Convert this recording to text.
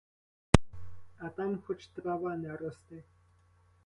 А там хоч трава не рости.